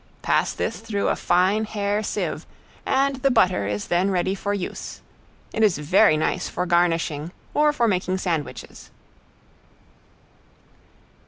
Pass this through a fine hair sieve, and the butter is then ready for use. It is very nice for garnishing or for making sandwiches.